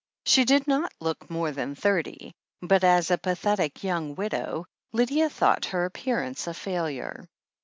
She did not look more than thirty, but as a pathetic young widow, Lydia thought her appearance a failure.